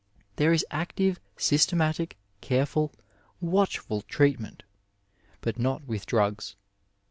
There is active, systematic, careful, watchful treatment, but not with drugg.